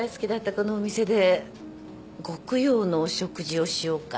このお店でご供養のお食事をしようかって。ねえ？